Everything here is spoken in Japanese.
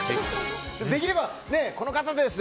できればこの方です！